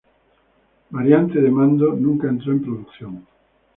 Variante de mando, nunca entró en producción.